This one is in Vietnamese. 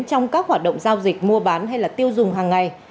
trong các hoạt động giao dịch mua bán hay tiêu dùng hàng ngày